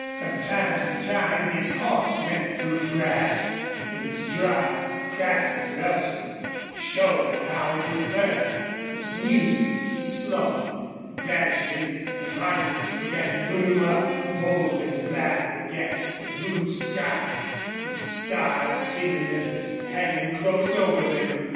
From time to time his horse went through grass, and its dry, crackling rustle, showing how it would burn, was music to Slone. Gradually the monuments began to loom up, bold and black against the blue sky, with stars seemingly hanging close over them.